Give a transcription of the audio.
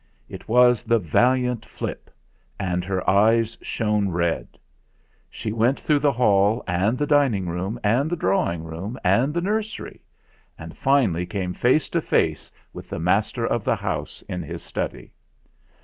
It was the valiant Flip, and her eyes shone red. She went through the hall, and the dining room, and the drawing room, and the nursery, and finally came face to face with the master of the house in his study.